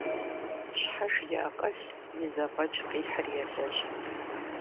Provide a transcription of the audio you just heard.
Щхьэж и акъыл, и зэфӀэкӀ къихьыр елэжь.